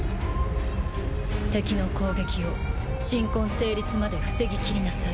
敵の攻撃を神婚成立まで防ぎきりなさい。